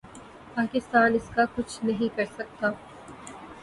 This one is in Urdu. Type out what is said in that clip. پاکستان اس کا کچھ نہیں کر سکتا۔